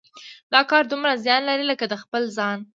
دا کار دومره زیان لري لکه د خپل ځان.